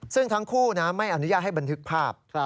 ซึ่งทั้งคู่ไม่อนุญาตให้บันทึกภาพ